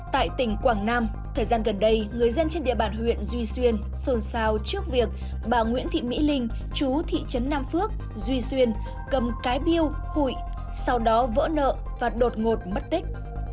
tại tỉnh quảng nam thời gian gần đây người dân trên địa bàn huyện duy xuyên xôn xao trước việc bà nguyễn thị mỹ linh chú thị trấn nam phước duy xuyên cầm cái biêu hụi sau đó vỡ nợ và đột ngột mất tích